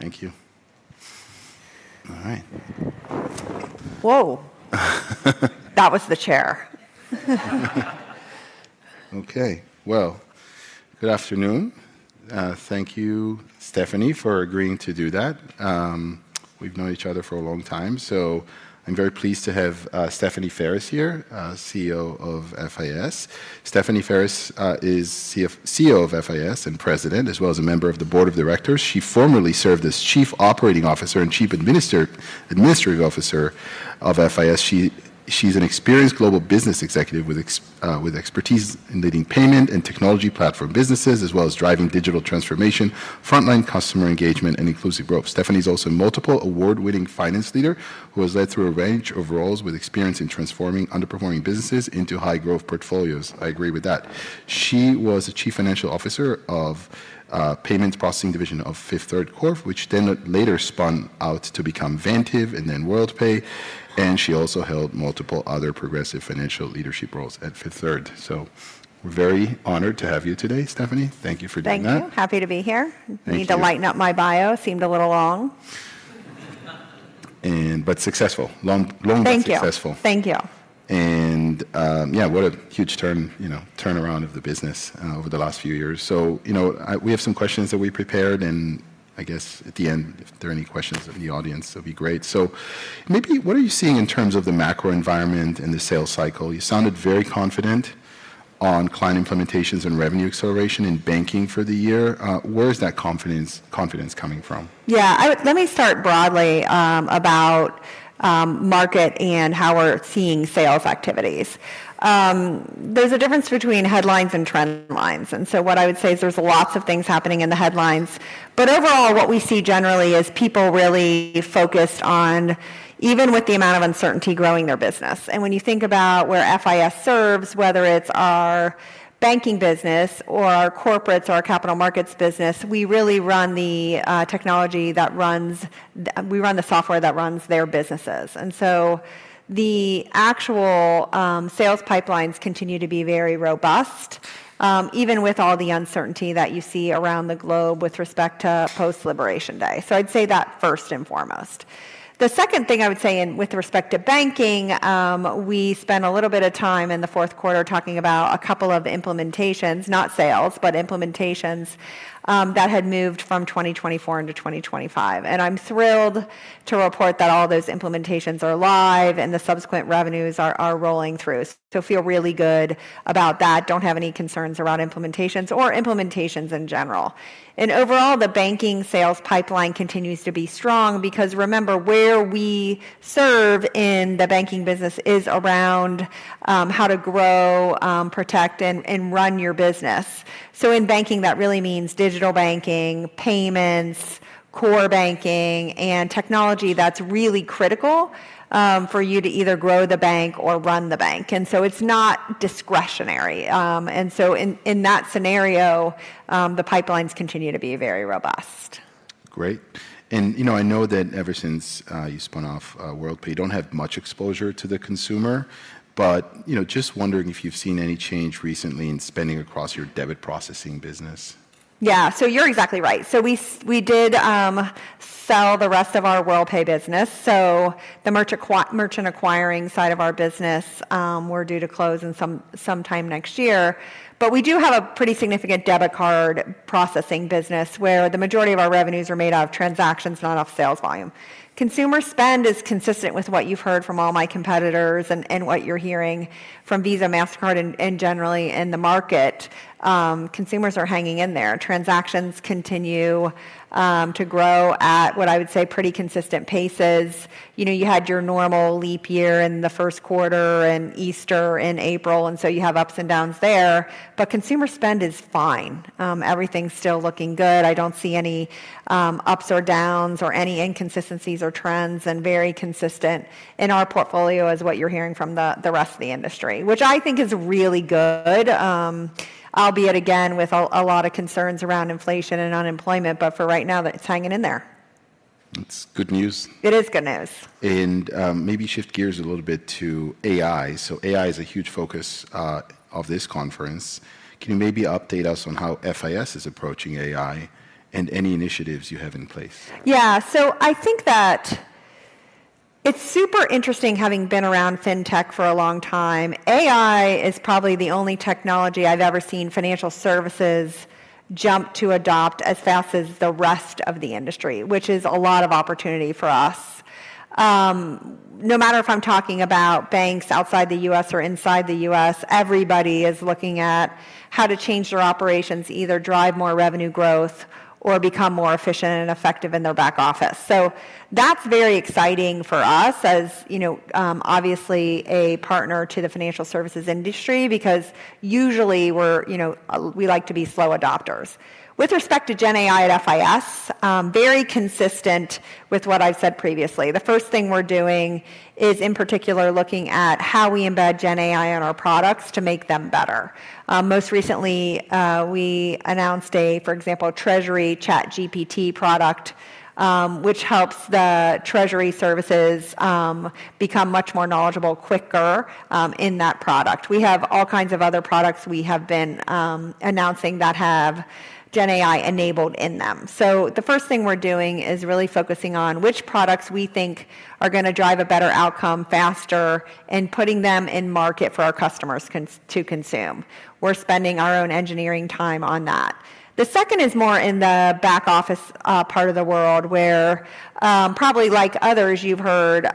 Thank you. All right. Whoa. That was the chair. Okay, good afternoon. Thank you, Stephanie, for agreeing to do that. We've known each other for a long time, so I'm very pleased to have Stephanie Ferris here, CEO of FIS. Stephanie Ferris is CEO of FIS and President, as well as a member of the board of directors. She formerly served as Chief Operating Officer and Chief Administrative Officer of FIS. She's an experienced global business executive with expertise in leading payment and technology platform businesses, as well as driving digital transformation, frontline customer engagement, and inclusive growth. Stephanie is also a multiple award-winning finance leader who has led through a range of roles with experience in transforming underperforming businesses into high-growth portfolios. I agree with that. She was Chief Financial Officer of the payments processing division of Fifth Third corp, which then later spun out to become Vantiv and then Worldpay. She also held multiple other progressive financial leadership roles at Fifth Third. We are very honored to have you today, Stephanie. Thank you for doing that. Thank you. Happy to be here. Thank you. Need to lighten up my bio. Seemed a little long. Successful. Long, long. Thank you. Successful. Thank you. Yeah, what a huge turnaround of the business over the last few years. You know, we have some questions that we prepared, and I guess at the end, if there are any questions of the audience, that'd be great. Maybe, what are you seeing in terms of the macro environment and the sales cycle? You sounded very confident on client implementations and revenue acceleration in banking for the year. Where is that confidence coming from? Yeah, I would, let me start broadly, about, market and how we're seeing sales activities. There's a difference between headlines and trend lines. What I would say is there's lots of things happening in the headlines. Overall, what we see generally is people really focus on, even with the amount of uncertainty, growing their business. When you think about where FIS serves, whether it's our banking business or our corporates or our capital markets business, we really run the technology that runs, we run the software that runs their businesses. The actual sales pipelines continue to be very robust, even with all the uncertainty that you see around the globe with respect to post-Liberation Day. I'd say that first and foremost. The second thing I would say, with respect to banking, we spent a little bit of time in the fourth quarter talking about a couple of implementations, not sales, but implementations, that had moved from 2024 into 2025. I am thrilled to report that all those implementations are live and the subsequent revenues are rolling through. Feel really good about that. Do not have any concerns around implementations or implementations in general. Overall, the banking sales pipeline continues to be strong because remember where we serve in the banking business is around how to grow, protect, and run your business. In banking, that really means digital banking, payments, core banking, and technology that is really critical for you to either grow the bank or run the bank. It is not discretionary. In that scenario, the pipelines continue to be very robust. Great. You know, I know that ever since you spun off Worldpay, you do not have much exposure to the consumer, but, you know, just wondering if you have seen any change recently in spending across your debit processing business. Yeah, so you're exactly right. We did sell the rest of our Worldpay business. The merchant acquiring side of our business, we're due to close sometime next year. We do have a pretty significant debit card processing business where the majority of our revenues are made out of transactions, not of sales volume. Consumer spend is consistent with what you've heard from all my competitors and what you're hearing from Visa, Mastercard, and generally in the market. Consumers are hanging in there. Transactions continue to grow at what I would say are pretty consistent paces. You know, you had your normal leap year in the first quarter and Easter in April, and so you have ups and downs there. Consumer spend is fine. Everything's still looking good. I don't see any ups or downs or any inconsistencies or trends, and very consistent in our portfolio is what you're hearing from the rest of the industry, which I think is really good, albeit again with a lot of concerns around inflation and unemployment, but for right now, it's hanging in there. That's good news. It is good news. Maybe shift gears a little bit to AI. AI is a huge focus of this conference. Can you maybe update us on how FIS is approaching AI and any initiatives you have in place? Yeah, so I think that it's super interesting having been around FinTech for a long time. AI is probably the only technology I've ever seen financial services jump to adopt as fast as the rest of the industry, which is a lot of opportunity for us. No matter if I'm talking about banks outside the U.S. or inside the U.S., everybody is looking at how to change their operations, either drive more revenue growth or become more efficient and effective in their back office. That's very exciting for us as, you know, obviously a partner to the financial services industry because usually we're, you know, we like to be slow adopters. With respect to GenAI at FIS, very consistent with what I've said previously. The first thing we're doing is in particular looking at how we embed GenAI on our products to make them better. Most recently, we announced, for example, a Treasury ChatGPT product, which helps the Treasury services become much more knowledgeable quicker in that product. We have all kinds of other products we have been announcing that have GenAI enabled in them. The first thing we're doing is really focusing on which products we think are gonna drive a better outcome faster and putting them in market for our customers to consume. We're spending our own engineering time on that. The second is more in the back office part of the world where, probably like others you've heard,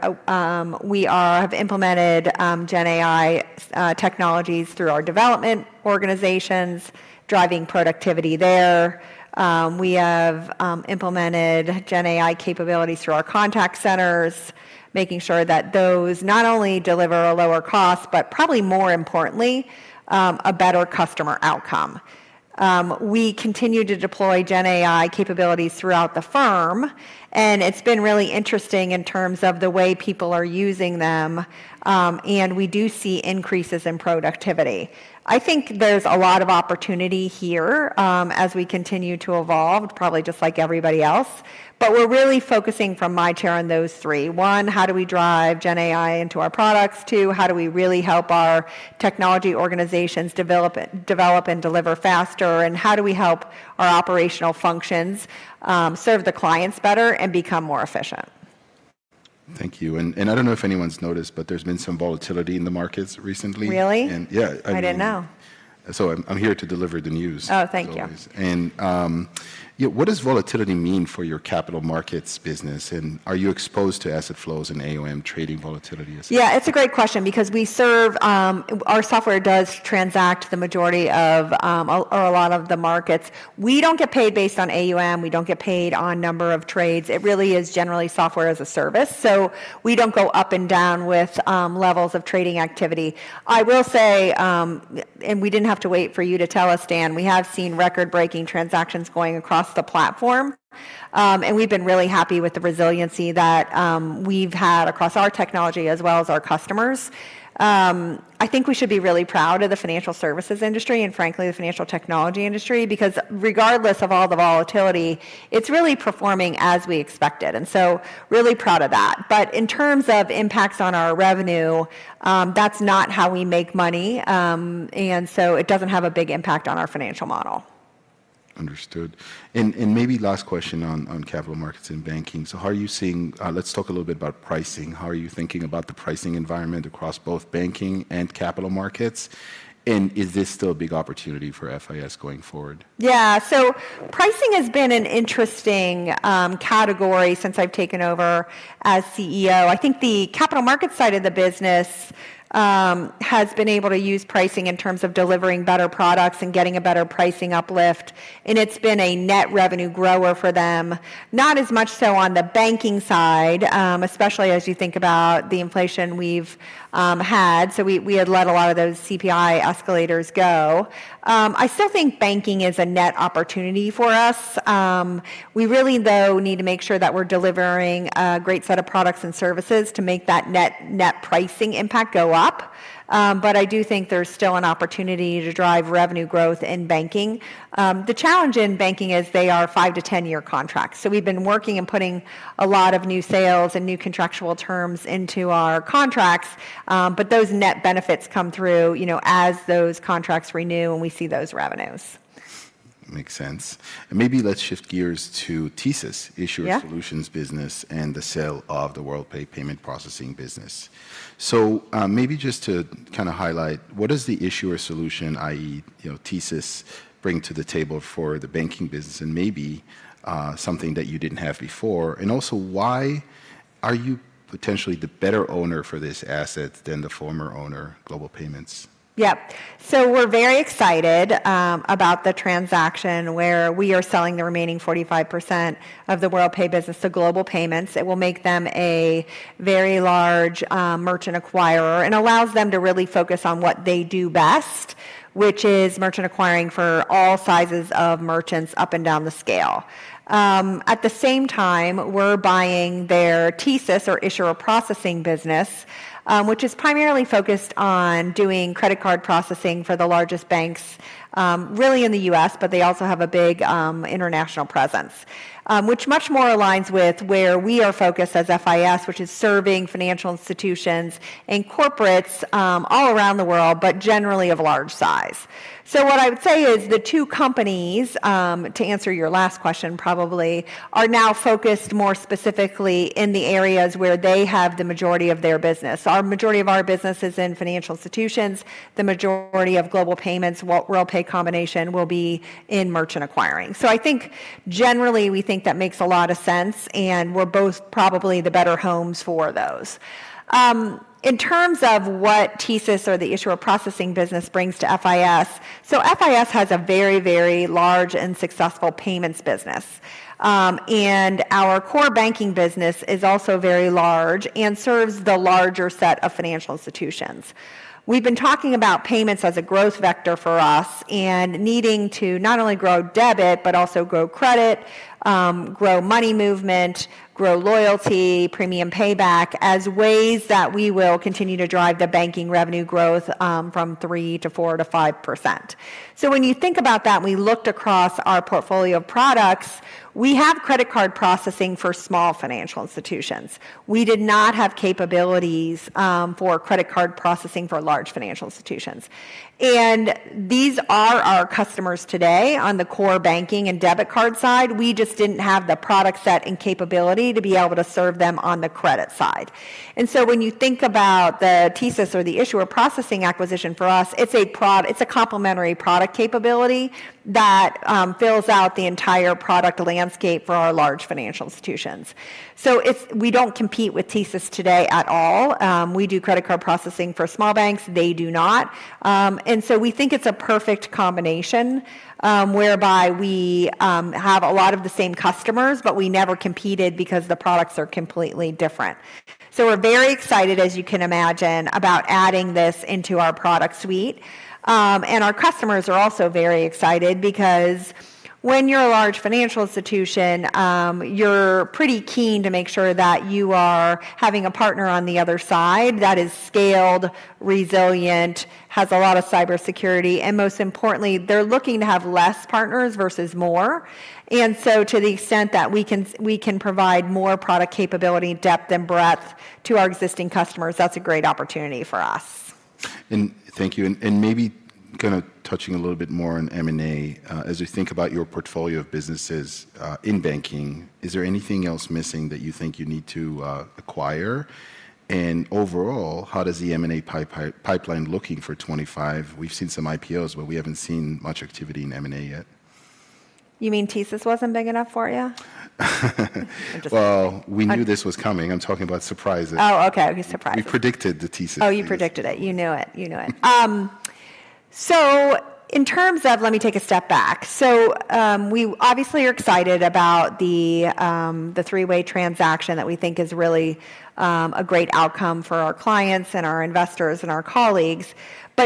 we have implemented GenAI technologies through our development organizations, driving productivity there. We have implemented GenAI capabilities through our contact centers, making sure that those not only deliver a lower cost, but probably more importantly, a better customer outcome. We continue to deploy GenAI capabilities throughout the firm, and it's been really interesting in terms of the way people are using them. We do see increases in productivity. I think there's a lot of opportunity here, as we continue to evolve, probably just like everybody else. We're really focusing from my chair on those three. One, how do we drive GenAI into our products? Two, how do we really help our technology organizations develop and deliver faster? And how do we help our operational functions serve the clients better and become more efficient? Thank you. And I don't know if anyone's noticed, but there's been some volatility in the markets recently. Really? And yeah. I didn't know. I'm here to deliver the news. Oh, thank you. You know, what does volatility mean for your capital markets business? Are you exposed to asset flows and AUM trading volatility? Yeah, it's a great question because we serve, our software does transact the majority of, a lot of the markets. We don't get paid based on AUM. We don't get paid on number of trades. It really is generally software as a service. We don't go up and down with levels of trading activity. I will say, and we didn't have to wait for you to tell us, Dan, we have seen record-breaking transactions going across the platform, and we've been really happy with the resiliency that we've had across our technology as well as our customers. I think we should be really proud of the financial services industry and, frankly, the financial technology industry because regardless of all the volatility, it's really performing as we expected. I am really proud of that. In terms of impacts on our revenue, that's not how we make money. and so it doesn't have a big impact on our financial model. Understood. And maybe last question on capital markets and banking. How are you seeing, let's talk a little bit about pricing. How are you thinking about the pricing environment across both banking and capital markets? Is this still a big opportunity for FIS going forward? Yeah, so pricing has been an interesting category since I've taken over as CEO. I think the capital markets side of the business has been able to use pricing in terms of delivering better products and getting a better pricing uplift. And it's been a net revenue grower for them, not as much so on the banking side, especially as you think about the inflation we've had. We had let a lot of those CPI escalators go. I still think banking is a net opportunity for us. We really, though, need to make sure that we're delivering a great set of products and services to make that net, net pricing impact go up. I do think there's still an opportunity to drive revenue growth in banking. The challenge in banking is they are five to 10-year contracts. We've been working and putting a lot of new sales and new contractual terms into our contracts, but those net benefits come through, you know, as those contracts renew and we see those revenues. Makes sense. Maybe let's shift gears to TSYS, issuer solutions business, and the sale of the Worldpay payment processing business. Maybe just to kind of highlight, what does the issuer solution, i.e., you know, TSYS, bring to the table for the banking business and maybe something that you didn't have before? Also, why are you potentially the better owner for this asset than the former owner, Global Payments? Yep. So we're very excited about the transaction where we are selling the remaining 45% of the Worldpay business to Global Payments. It will make them a very large merchant acquirer and allows them to really focus on what they do best, which is merchant acquiring for all sizes of merchants up and down the scale. At the same time, we're buying their TSYS or issuer processing business, which is primarily focused on doing credit card processing for the largest banks, really in the U.S., but they also have a big international presence, which much more aligns with where we are focused as FIS, which is serving financial institutions and corporates all around the world, but generally of large size. What I would say is the two companies, to answer your last question, probably are now focused more specifically in the areas where they have the majority of their business. Our majority of our business is in financial institutions. The majority of Global Payments, Worldpay combination will be in merchant acquiring. I think generally we think that makes a lot of sense and we're both probably the better homes for those. In terms of what TSYS or the issuer processing business brings to FIS, FIS has a very, very large and successful payments business. Our core banking business is also very large and serves the larger set of financial institutions. We've been talking about payments as a growth vector for us and needing to not only grow debit, but also grow credit, grow money movement, grow loyalty, premium payback as ways that we will continue to drive the banking revenue growth, from 3% to 4% to 5%. When you think about that, we looked across our portfolio of products, we have credit card processing for small financial institutions. We did not have capabilities for credit card processing for large financial institutions. These are our customers today on the core banking and debit card side. We just did not have the product set and capability to be able to serve them on the credit side. When you think about the TSYS or the issuer processing acquisition for us, it's a pro, it's a complimentary product capability that fills out the entire product landscape for our large financial institutions. It's, we don't compete with TSYS today at all. We do credit card processing for small banks. They do not. We think it's a perfect combination, whereby we have a lot of the same customers, but we never competed because the products are completely different. We're very excited, as you can imagine, about adding this into our product suite. Our customers are also very excited because when you're a large financial institution, you're pretty keen to make sure that you are having a partner on the other side that is scaled, resilient, has a lot of cybersecurity, and most importantly, they're looking to have less partners versus more. To the extent that we can, we can provide more product capability, depth, and breadth to our existing customers, that's a great opportunity for us. Thank you. Maybe kind of touching a little bit more on M&A, as we think about your portfolio of businesses, in banking, is there anything else missing that you think you need to acquire? Overall, how is the M&A pipeline looking for 2025? We've seen some IPOs, but we haven't seen much activity in M&A yet. You mean TSYS wasn't big enough for you? We knew this was coming. I'm talking about surprises. Oh, okay. Okay. Surprise. We predicted the TSYS. Oh, you predicted it. You knew it. You knew it. In terms of, let me take a step back. We obviously are excited about the three-way transaction that we think is really a great outcome for our clients and our investors and our colleagues.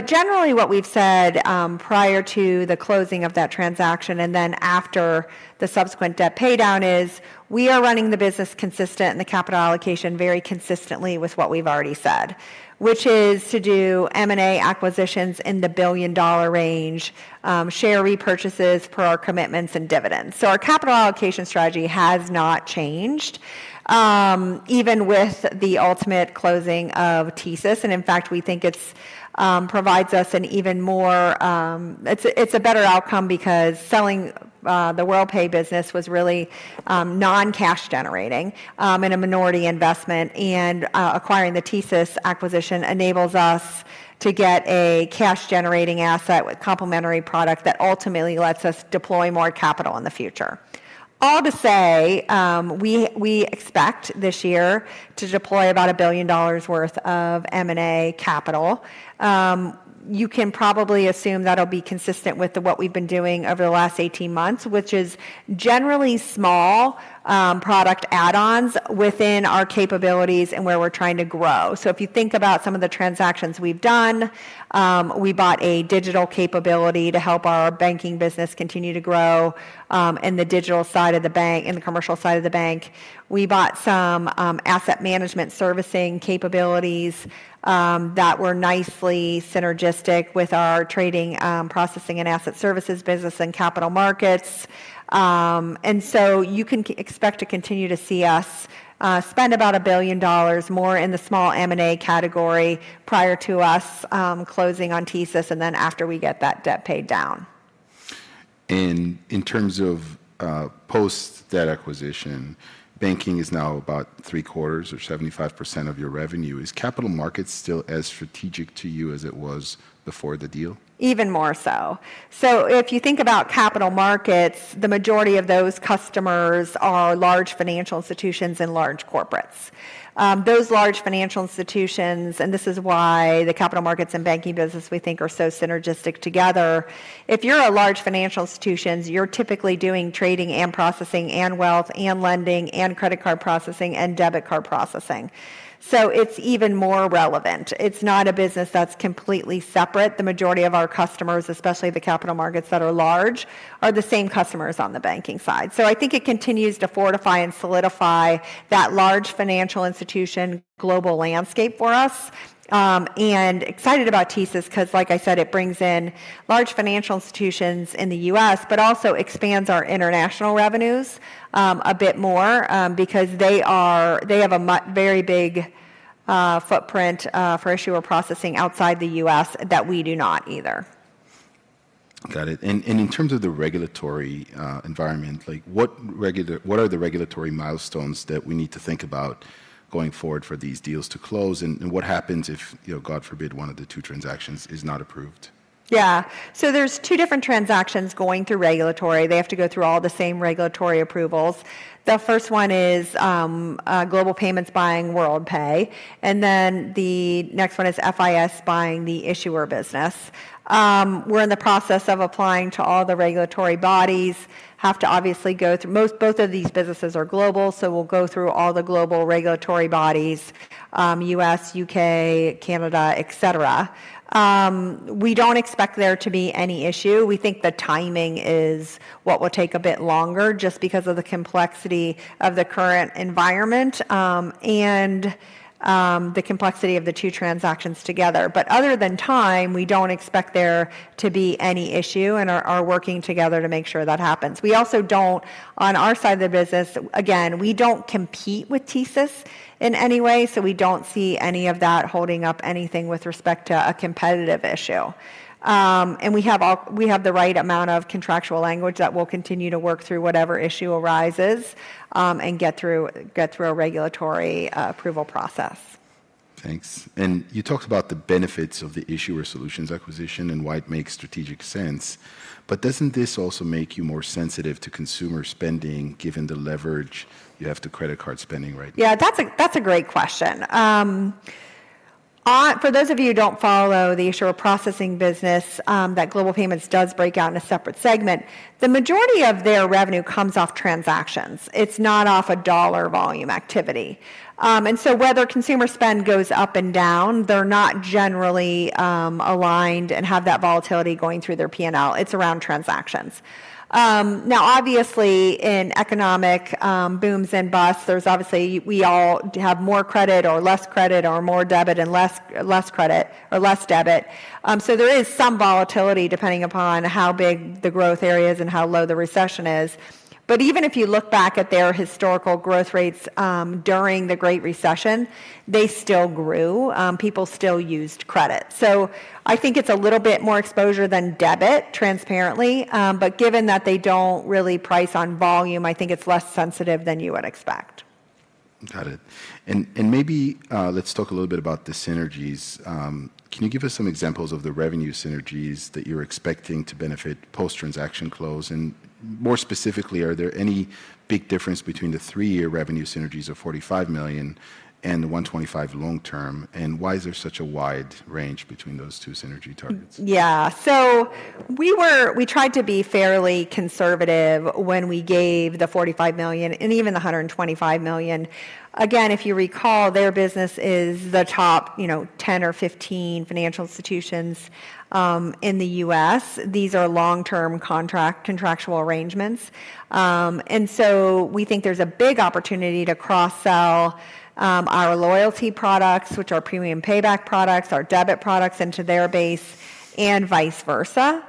Generally what we've said, prior to the closing of that transaction and then after the subsequent debt paydown, is we are running the business consistent and the capital allocation very consistently with what we've already said, which is to do M&A acquisitions in the billion-dollar range, share repurchases per our commitments, and dividends. Our capital allocation strategy has not changed, even with the ultimate closing of TSYS. In fact, we think it provides us an even more, it's a better outcome because selling the Worldpay business was really non-cash generating, in a minority investment. Acquiring the TSYS acquisition enables us to get a cash-generating asset with complementary product that ultimately lets us deploy more capital in the future. All to say, we expect this year to deploy about $1 billion worth of M&A capital. You can probably assume that'll be consistent with what we've been doing over the last 18 months, which is generally small, product add-ons within our capabilities and where we're trying to grow. If you think about some of the transactions we've done, we bought a digital capability to help our banking business continue to grow, in the digital side of the bank, in the commercial side of the bank. We bought some asset management servicing capabilities that were nicely synergistic with our trading, processing and asset services business and capital markets. You can expect to continue to see us spend about $1 billion more in the small M&A category prior to us closing on TSYS and then after we get that debt paid down. In terms of, post-debt acquisition, banking is now about 3/4 or 75% of your revenue. Is capital markets still as strategic to you as it was before the deal? Even more so. If you think about capital markets, the majority of those customers are large financial institutions and large corporates. Those large financial institutions, and this is why the capital markets and banking business we think are so synergistic together. If you are a large financial institution, you are typically doing trading and processing and wealth and lending and credit card processing and debit card processing. It is even more relevant. It is not a business that is completely separate. The majority of our customers, especially the capital markets that are large, are the same customers on the banking side. I think it continues to fortify and solidify that large financial institution global landscape for us. and excited about TSYS because, like I said, it brings in large financial institutions in the U.S., but also expands our international revenues a bit more, because they are, they have a very big footprint for issuer processing outside the U.S. that we do not either. Got it. And in terms of the regulatory environment, like what regulatory, what are the regulatory milestones that we need to think about going forward for these deals to close? And what happens if, you know, God forbid, one of the two transactions is not approved? Yeah. So there are two different transactions going through regulatory. They have to go through all the same regulatory approvals. The first one is Global Payments buying Worldpay. And then the next one is FIS buying the issuer business. We are in the process of applying to all the regulatory bodies. Have to obviously go through most, both of these businesses are global, so we will go through all the global regulatory bodies, U.S., U.K., Canada, et cetera. We do not expect there to be any issue. We think the timing is what will take a bit longer just because of the complexity of the current environment, and the complexity of the two transactions together. Other than time, we do not expect there to be any issue and are working together to make sure that happens. We also don't, on our side of the business, again, we don't compete with TSYS in any way, so we don't see any of that holding up anything with respect to a competitive issue. We have the right amount of contractual language that we'll continue to work through whatever issue arises, and get through a regulatory approval process. Thanks. You talked about the benefits of the issuer solutions acquisition and why it makes strategic sense, but doesn't this also make you more sensitive to consumer spending given the leverage you have to credit card spending right now? Yeah, that's a, that's a great question. For those of you who don't follow the issuer processing business, that Global Payments does break out in a separate segment, the majority of their revenue comes off transactions. It's not off a dollar volume activity, and so whether consumer spend goes up and down, they're not generally aligned and have that volatility going through their P&L. It's around transactions. Now, obviously in economic booms and busts, there's obviously, we all have more credit or less credit or more debit and less, less credit or less debit. So there is some volatility depending upon how big the growth area is and how low the recession is. Even if you look back at their historical growth rates, during the Great Recession, they still grew. People still used credit. I think it's a little bit more exposure than debit, transparently. Given that they do not really price on volume, I think it is less sensitive than you would expect. Got it. And maybe, let's talk a little bit about the synergies. Can you give us some examples of the revenue synergies that you're expecting to benefit post-transaction close? And more specifically, are there any big differences between the three-year revenue synergies of $45 million and the $125 million long-term? And why is there such a wide range between those two synergy targets? Yeah. We tried to be fairly conservative when we gave the $45 million and even the $125 million. Again, if you recall, their business is the top, you know, 10 or 15 financial institutions in the U.S. These are long-term contractual arrangements, and we think there's a big opportunity to cross-sell our loyalty products, which are premium payback products, our debit products into their base and vice versa.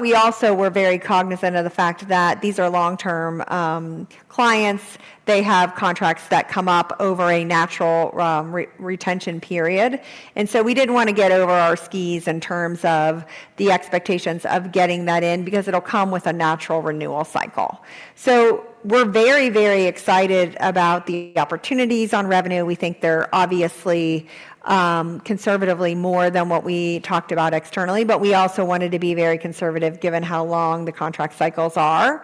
We also were very cognizant of the fact that these are long-term clients. They have contracts that come up over a natural retention period, and we did not want to get over our skis in terms of the expectations of getting that in because it will come with a natural renewal cycle. We are very, very excited about the opportunities on revenue. We think they're obviously, conservatively more than what we talked about externally, but we also wanted to be very conservative given how long the contract cycles are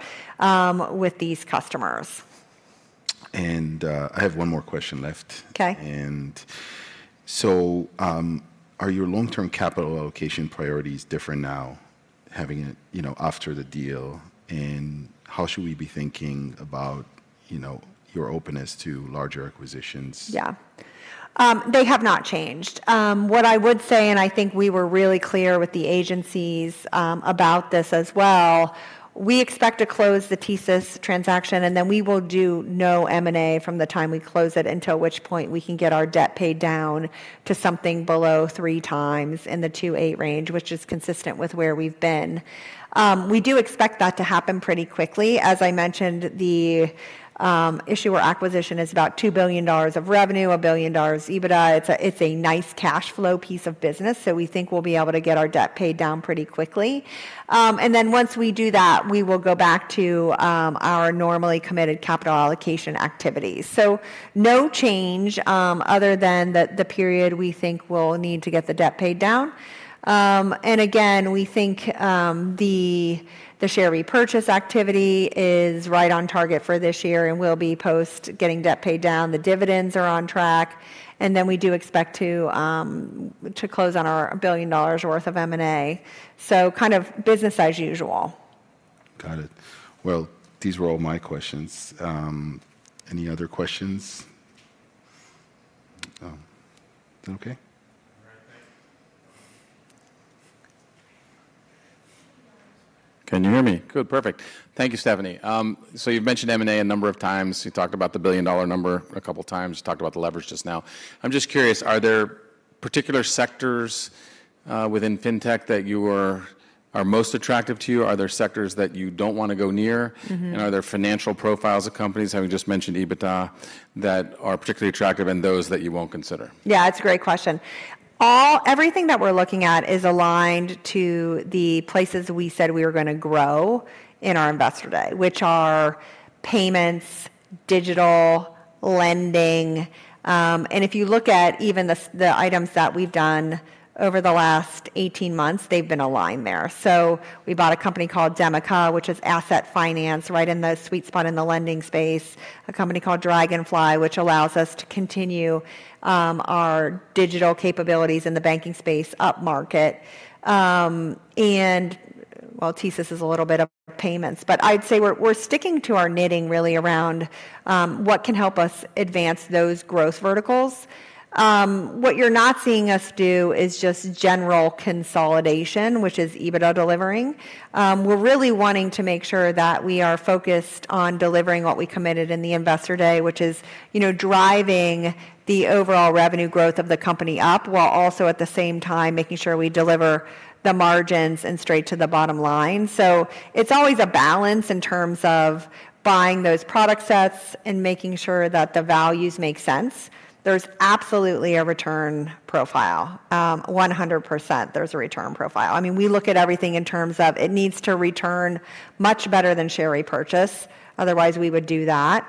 with these customers. I have one more question left. Okay. Are your long-term capital allocation priorities different now, having it, you know, after the deal? And how should we be thinking about, you know, your openness to larger acquisitions? Yeah. They have not changed. What I would say, and I think we were really clear with the agencies about this as well, we expect to close the TSYS transaction and then we will do no M&A from the time we close it until which point we can get our debt paid down to something below three times, in the 2.8 range, which is consistent with where we've been. We do expect that to happen pretty quickly. As I mentioned, the issuer acquisition is about $2 billion of revenue, $1 billion EBITDA. It's a nice cash flow piece of business. We think we'll be able to get our debt paid down pretty quickly, and then once we do that, we will go back to our normally committed capital allocation activities. No change, other than the period we think we'll need to get the debt paid down. Again, we think the share repurchase activity is right on target for this year and will be post getting debt paid down. The dividends are on track. We do expect to close on our $1 billion worth of M&A. Kind of business as usual. Got it. These were all my questions. Any other questions? Is that okay? Can you hear me? Good. Perfect. Thank you, Stephanie. You have mentioned M&A a number of times. You talked about the billion dollar number a couple of times. You talked about the leverage just now. I'm just curious, are there particular sectors within FinTech that are most attractive to you? Are there sectors that you do not want to go near? And are there financial profiles of companies, having just mentioned EBITDA, that are particularly attractive and those that you will not consider? Yeah, that's a great question. Everything that we're looking at is aligned to the places we said we were going to grow in our investor day, which are payments, digital, lending. If you look at even the items that we've done over the last 18 months, they've been aligned there. We bought a company called Demica, which is asset finance right in the sweet spot in the lending space, a company called Draganfly, which allows us to continue our digital capabilities in the banking space up market. TSYS is a little bit of payments, but I'd say we're sticking to our knitting really around what can help us advance those growth verticals. What you're not seeing us do is just general consolidation, which is EBITDA delivering. We're really wanting to make sure that we are focused on delivering what we committed in the investor day, which is, you know, driving the overall revenue growth of the company up while also at the same time making sure we deliver the margins and straight to the bottom line. It is always a balance in terms of buying those product sets and making sure that the values make sense. There is absolutely a return profile. 100% there is a return profile. I mean, we look at everything in terms of it needs to return much better than share repurchase. Otherwise, we would do that.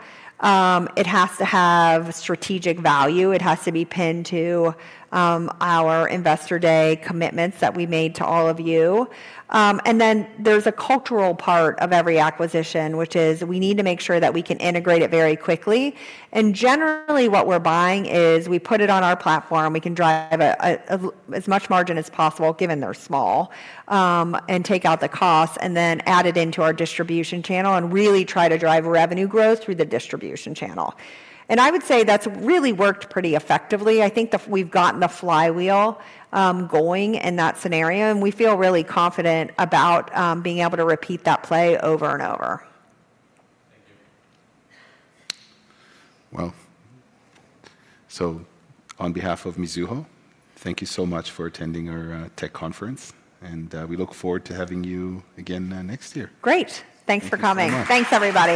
It has to have strategic value. It has to be pinned to our investor day commitments that we made to all of you. There is a cultural part of every acquisition, which is we need to make sure that we can integrate it very quickly. What we're buying is we put it on our platform. We can drive as much margin as possible, given they're small, and take out the costs and then add it into our distribution channel and really try to drive revenue growth through the distribution channel. I would say that's really worked pretty effectively. I think that we've gotten the flywheel going in that scenario and we feel really confident about being able to repeat that play over and over. On behalf of Mizuho, thank you so much for attending our tech conference. We look forward to having you again next year. Great. Thanks for coming. Thanks everybody.